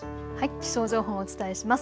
気象情報をお伝えします。